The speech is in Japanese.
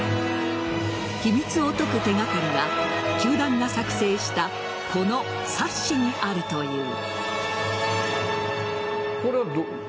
秘密を解く手がかりが球団が作成したこの冊子にあるという。